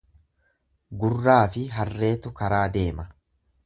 Gurraafi harreetu karaa deema.